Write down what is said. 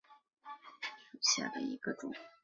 拟岩蕨为鳞毛蕨科鳞毛蕨属下的一个种。